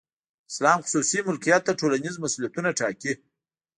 اسلام خصوصي ملکیت ته ټولنیز مسولیتونه ټاکي.